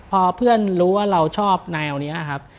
พอเพื่อนรู้ว่าเราชอบแนวนี้ครับ